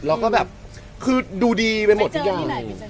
แล้วก็แบบคือดูดีไปหมดทุกอย่าง